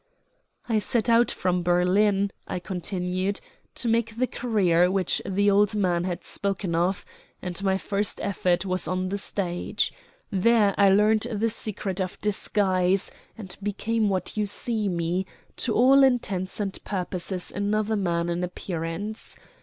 "I set out from Berlin," I continued, "to make the career which the old man had spoken of, and my first effort was on the stage. There I learnt the secret of disguise, and became what you see me, to all intents and purposes another man in appearance.